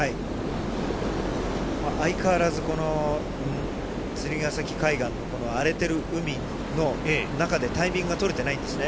相変わらず、この釣ヶ埼海岸の荒れてる海の中でタイミングが取れてないんですね。